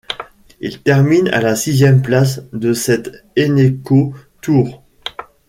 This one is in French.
Il termine à la sixième place de cet Eneco Tour.